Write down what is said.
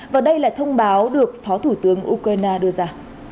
và đây là thông báo được phó thủ tướng ukraine đưa ra